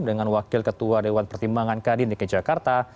dengan wakil ketua dewan pertimbangan kdn di jakarta